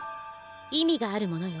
意味があるものよ。